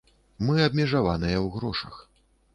Мы абмежаваныя ў грошах.